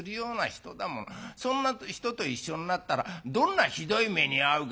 そんな人と一緒になったらどんなひどい目に遭うか」。